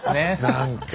何か。